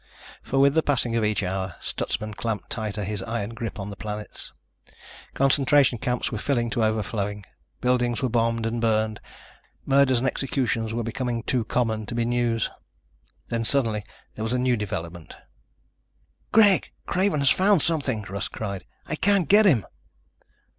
For with the passing of each hour, Stutsman clamped tighter his iron grip on the planets. Concentration camps were filled to overflowing. Buildings were bombed and burned. Murders and executions were becoming too common to be news. Then suddenly there was a new development. "Greg, Craven has found something!" Russ cried. "I can't get him!"